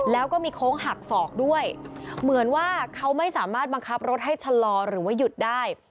แล้วก็มีโค้งหักศอกด้วยเหมือนว่าเขาไม่สามารถบังคับรถให้ชะลอหรือว่าหยุดได้